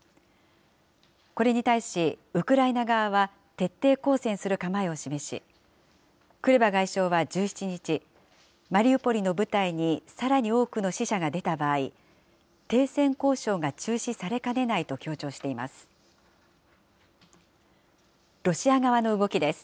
これに対し、ウクライナ側は徹底抗戦する構えを示し、クレバ外相は１７日、マリウポリの部隊にさらに多くの死者が出た場合、停戦交渉が中止されかねないと強調しています。